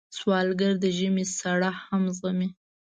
سوالګر د ژمي سړه هم زغمي